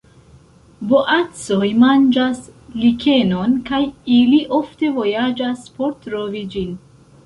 Boacoj manĝas likenon kaj ili ofte vojaĝas por trovi ĝin.